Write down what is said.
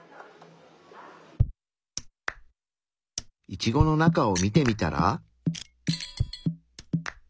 イチゴの中を見てみたら。